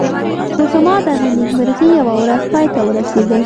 خو زما دغه نېکمرغي یوه ورځ پای ته ورسېده.